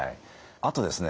あとですね